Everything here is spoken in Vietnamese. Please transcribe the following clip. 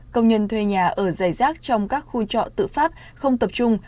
công nhân thuê nhà ở dày rác trong các khu trọ tự phát không tập trung